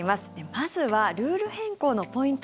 まずはルール変更のポイント